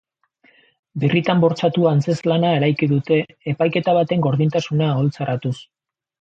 Birritan bortxatua antzezlana eraiki dute, epaiketa baten gordintasuna oholtzaratuz.